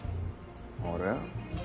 あれ？